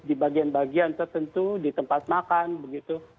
di bagian bagian tertentu di tempat makan begitu